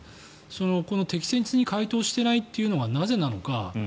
この適切に回答していないというのはなぜなのか。